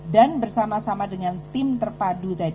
dan bersama sama dengan tim terpadu